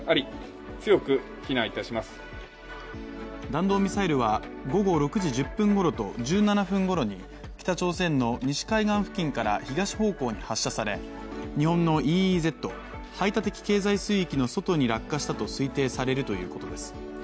弾道ミサイルは午後６時１０分ごろと１７分ごろに北朝鮮の西海岸付近から東方向に発射され日本のＥＥＺ＝排他的経済水域の外に落下したと推定されるということです。